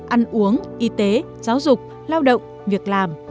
ăn uống y tế giáo dục lao động việc làm